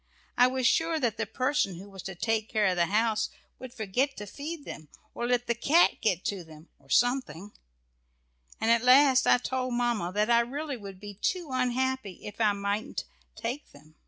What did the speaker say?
I was sure that the person who was to take care of the house would forget to feed them, or let the cat get to them or something, and at last I told Mamma that I really would be too unhappy if I mightn't take them.